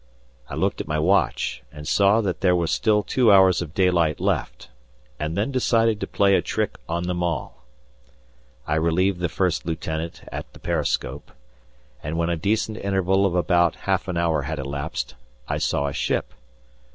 I looked at my watch and saw that there was still two hours of daylight left, and then decided to play a trick on them all. I relieved the First Lieutenant at the periscope, and when a decent interval of about half an hour had elapsed I saw a ship.